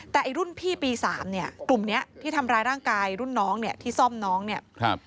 แต่ไอ้รุ่นพี่ปีสามเนี่ยกลุ่มเนี้ยที่ทำร้ายร่างกายรุ่นน้องเนี่ยที่ซ่อมน้องเนี่ยครับ